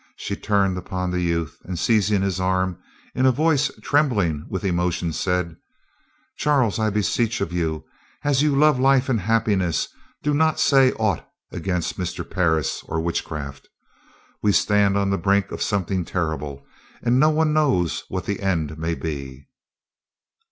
She turned upon the youth and, seizing his arm, in a voice trembling with emotion, said: "Charles, I beseech of you, as you love life and happiness, do not say aught against Mr. Parris or witchcraft. We stand on the brink of something terrible, and no one knows what the end may be."